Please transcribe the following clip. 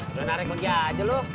udah narik lagi aja lu